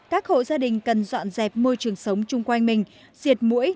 các hộ gia đình cần dọn dẹp môi trường sống chung quanh mình diệt mũi